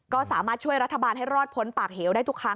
ก็สามารถช่วยรัฐบาลให้รอดพ้นปากเหวได้ทุกครั้ง